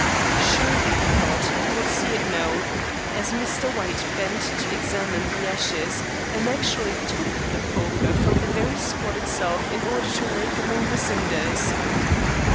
"Surely," he thought, "he will see it now," as Mr. White bent to examine the ashes, and actually took the poker from the very support itself in order to rake among the cinders.